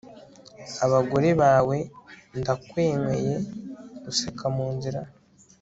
abagore bawe ! ndakunyweye useka munzira